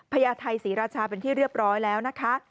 พญาไทยศรีราชาเป็นที่เรียบร้อยแล้วนะคะ